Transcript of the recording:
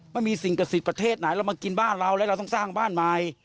ไม่มีสิ่งกศิษย์ประเทศไหนแล้วมันกินบ้านเราแล้วเราต้องสร้างบ้านใหม่